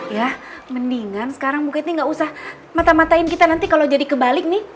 ya mendingan sekarang bukit ini gak usah mata matain kita nanti kalau jadi kebalik nih